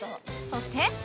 そして